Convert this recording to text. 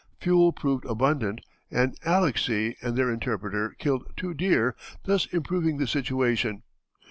Fuel proved abundant, and Alexey, their interpreter, killed two deer, thus improving the situation.